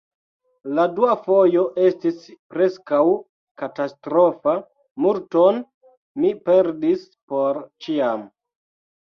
La dua fojo estis preskaŭ katastrofa: multon mi perdis por ĉiam.